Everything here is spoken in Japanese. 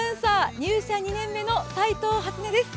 入社２年目の斉藤初音です。